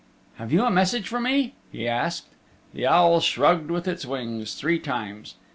"Have you a message for me?" he asked. The owl shrugged with its wings three times.